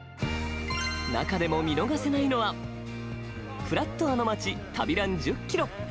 中でも、見逃せないのは「ふらっとあの街旅ラン１０キロ」。